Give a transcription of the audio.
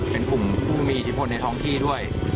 เป็นกลุ่มผู้มีอิทธิพลในท้องที่ด้วย